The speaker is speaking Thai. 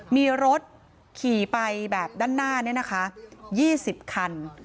มีรถขี่ไปแบบด้านหน้านี้นะคะ๒๐คัน